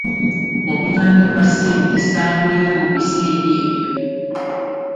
Obuyambi bwa ssente ssaabulina mu biseera ebyo.